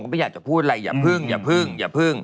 ไม่อยากจะพูดอะไรอย่าพึ่ง